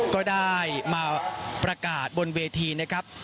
ก็ได้มาประกาศบนเวทีนะครับ